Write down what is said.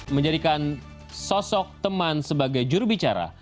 menjadikan sosok teman sebagai jurubicara